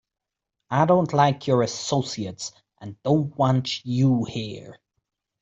I don't like your associates and don't want you here.